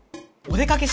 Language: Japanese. お出かけ？